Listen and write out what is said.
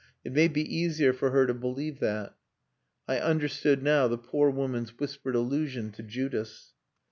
It may be easier for her to believe that." I understood now the poor woman's whispered allusion to Judas.